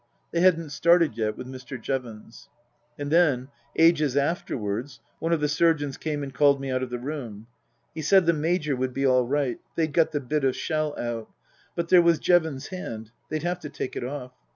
They hadn't started yet with Mr. Jevons. And then ages afterwards one of the surgeons came and called me out of the room. He said the Major would be aL right. They'd got the bit of shell out. But there was Jevons's hand. They'd have to take it off.